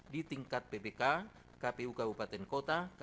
di tingkat ppk kpu kabupaten kota dan kpu kota